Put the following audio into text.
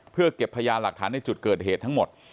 เพื่อเก็บพยานหลักฐานในจุดเกิดเหตุทั้งหมด